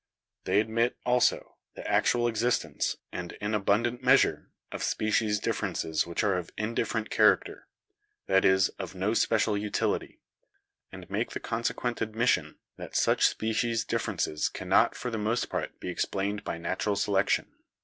They admit, also, the actual existence, and in abundant measure, of species differences which are of indifferent character — that is, of no special utility — and make the consequent! admission that such species differences cannot for the most part be explained by natural selection.